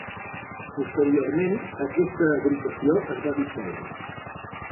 Posteriorment, aquesta agrupació es va dissoldre.